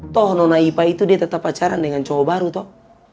toh non naipa itu dia tetap pacaran dengan cowok baru toh